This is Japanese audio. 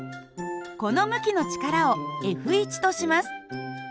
この向きの力をＦとします。